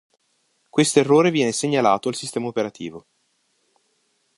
Questo errore viene segnalato al sistema operativo.